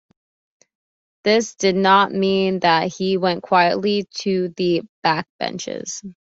This did not mean that he went quietly to the backbenches.